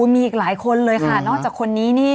มีอีกหลายคนเลยค่ะนอกจากคนนี้นี่